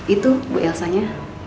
itu bu elsanya